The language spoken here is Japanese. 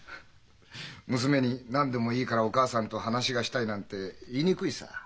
娘に「何でもいいからお母さんと話がしたい」なんて言いにくいさ。